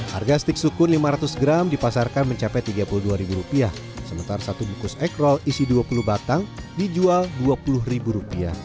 harga stik sukun rp lima ratus gram dipasarkan mencapai rp tiga puluh dua sementara satu bungkus ekrol isi dua puluh batang dijual rp dua puluh